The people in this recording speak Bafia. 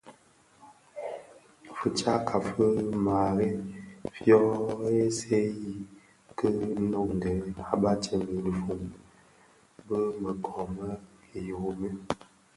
Fitsakka fi marai fyo ghësèyi ki noňdè a batsèm i dhifombu bi më kōō më Jrume.